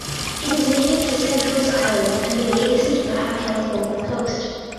It is native to Cedros Island and the adjacent Baja California coast.